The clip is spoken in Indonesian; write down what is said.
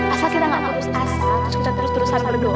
asal kita gak berusaha terus terusan berdoa